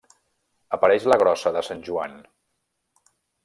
Apareix La Grossa de Sant Joan.